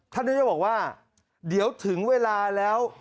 ท่านนิยกษ์บอกว่าเดี๋ยวถึงเวลาแล้ว